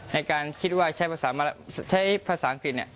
ในการคิดว่าใช้ภาษาอังกฤษ